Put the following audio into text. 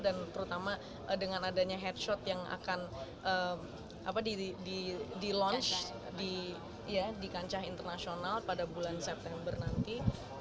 dan terutama dengan adanya headshot yang akan di launch di kancah internasional pada bulan september nanti